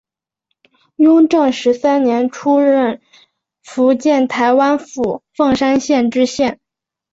雍正十三年出任福建台湾府凤山县知县。